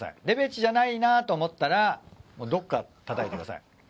レベチじゃないなと思ったらどこか叩いてください。